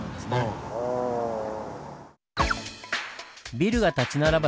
ビルが立ち並ぶ